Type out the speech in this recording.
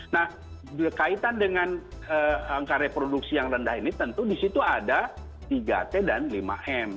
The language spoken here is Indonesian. nah berkaitan dengan angka reproduksi yang rendah ini tentu di situ ada tiga t dan lima m